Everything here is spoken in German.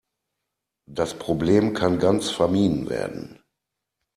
Das Problem kann ganz vermieden werden.